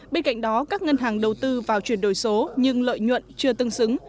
bên cạnh đó các ngân hàng đầu tư vào chuyển đổi số nhưng lợi nhuận chưa tương xứng